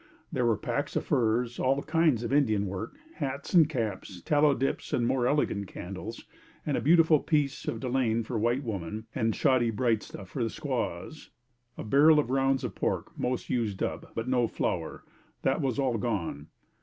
There were packs of furs, all kinds of Indian work, hats and caps, tallow dips and more elegant candles, a beautiful piece of delaine for white women and shoddy bright stuff for the squaws, a barrel of rounds of pork most used up, but no flour, that was all gone.